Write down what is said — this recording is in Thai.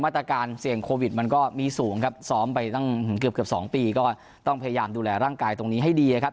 ตรการเสี่ยงโควิดมันก็มีสูงครับซ้อมไปตั้งเกือบเกือบสองปีก็ต้องพยายามดูแลร่างกายตรงนี้ให้ดีนะครับ